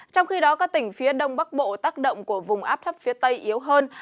trong khi đó các tỉnh phía đông bắc bộ tác động của vùng áp thấp phía tây yếu hơn